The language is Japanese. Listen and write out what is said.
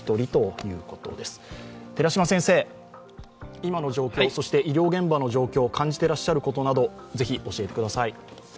今の状況そして医療現場の状況感じていらっしゃることなど教えてください。